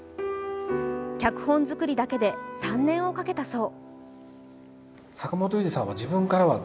脚本作りだけで、３年をかけたそう。